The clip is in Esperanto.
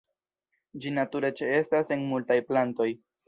Ĝi nature ĉeestas en multaj plantoj.